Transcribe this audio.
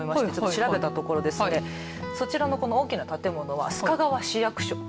調べたところこちらの大きな建物は須賀川市役所。